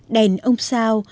đèn ông sao